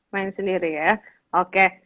main sendiri ya oke